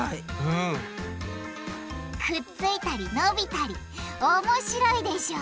くっついたり伸びたりおもしろいでしょ！